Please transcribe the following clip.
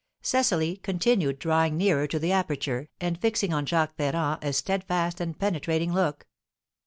Cecily continued drawing nearer to the aperture, and fixing on Jacques Ferrand a steadfast and penetrating look.